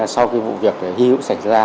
sau cái vụ việc hiếu xảy ra